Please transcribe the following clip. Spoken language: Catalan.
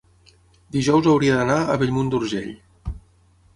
dijous hauria d'anar a Bellmunt d'Urgell.